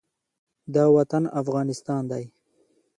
دا وطن افغانستان دى.